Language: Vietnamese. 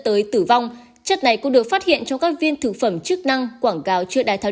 tới tử vong chất này cũng được phát hiện trong các viên thực phẩm chức năng quảng cáo chưa đài tháo